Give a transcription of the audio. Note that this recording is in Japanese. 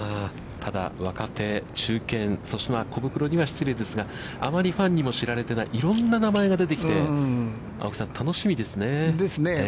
ただ若手、中堅、そして、小袋には失礼ですが、あまりファンにも知られてない、いろんな名前が出てきて、青木さん、楽しみですね。ですね。